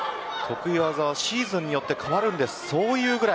得意技はシーズンによって変わるんです。